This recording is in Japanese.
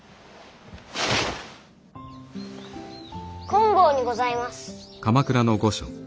金剛にございます。